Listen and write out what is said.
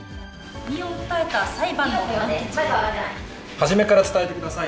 初めから伝えてください。